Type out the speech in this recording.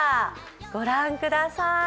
御覧ください。